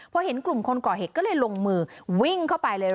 พอเห็นกลุ่มคนก่อเหตุก็เลยลงมือวิ่งเข้าไปเลย